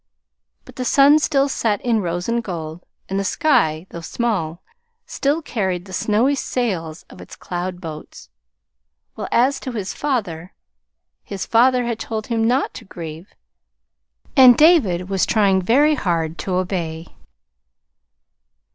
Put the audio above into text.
But the sun still set in rose and gold, and the sky, though small, still carried the snowy sails of its cloud boats; while as to his father his father had told him not to grieve, and David was trying very hard to obey.